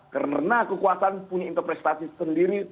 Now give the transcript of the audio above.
karena kekuasaan punya interpretasi sendiri